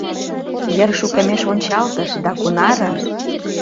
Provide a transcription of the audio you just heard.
Йыр шукемеш ончалтыш, да кунаре!